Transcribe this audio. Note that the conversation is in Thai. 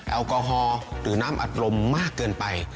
แอลกอฮอล์หรือน้ำอัดลมมากเกินไป